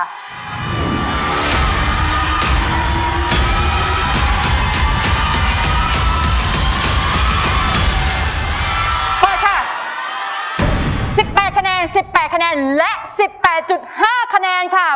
เปิดค่ะสิบแปดคะแนนสิบแปดคะแนนและสิบแปดจุดห้าคะแนนค่ะ